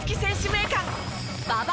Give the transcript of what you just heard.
名鑑馬場